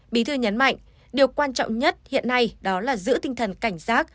bí thư nhấn mạnh điều quan trọng nhất hiện nay đó là giữ tinh thần cảnh giác